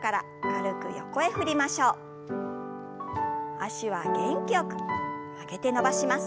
脚は元気よく曲げて伸ばします。